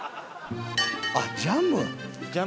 あっジャム！